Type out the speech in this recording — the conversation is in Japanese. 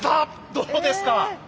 どうですか？